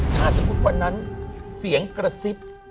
ถ้าสมมุติวันนั้นเสียงกระซิบ